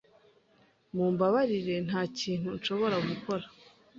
Mumbabarire, ntakintu nshobora gukora.